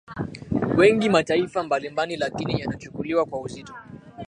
wengi mataifa mbalimbali lakini yanachukuliwa kwa uzito